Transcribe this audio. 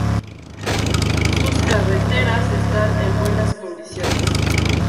Sus carreteras están en buenas condiciones.